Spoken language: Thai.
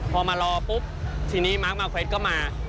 พอมารอปุ๊บทีนี้มาร์คมาร์คเวทก็มา